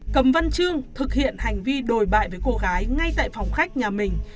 cầm văn trương thực hiện hành vi đồi bại với cô gái ngay tại phòng khách nhà mình